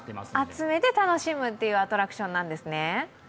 集めて楽しむというアトラクションなんですね。